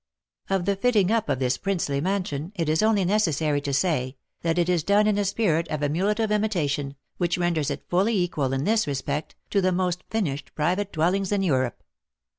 Of the fitting up of this princely mansion, it is only necessary to say, that it is done in a spirit of emulative imitation, which ren ders it fully equal, in this respect, to the most finished private dwellings in Europe.